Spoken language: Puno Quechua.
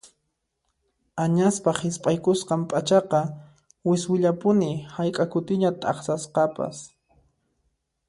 Añaspaq hisp'aykusqan p'achaqa wiswillapuni hayk'a kutiña t'aqsasqapas.